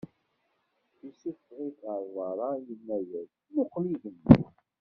Issufɣ-it ɣer beṛṛa, inna-yas: Muqel igenni.